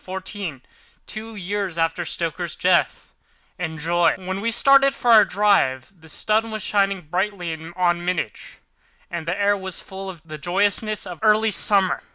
FLORENCE BRAM STOKER Dracula's Guest When we started for our drive the sun was shining brightly on Munich, and the air was full of the joyousness of early summer.